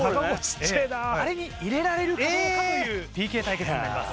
あれに入れられるかどうかというＰＫ対決になります。